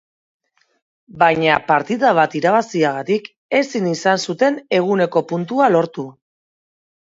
Baina partida bat irabaziagatik, ezin izan zuten eguneko puntua lortu.